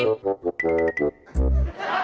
ya yang nyamar jadi kevin